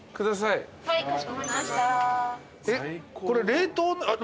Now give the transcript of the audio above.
これ冷凍。